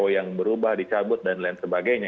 yang berubah dicabut dan lain sebagainya